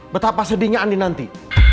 betapa sedihnya andien nanti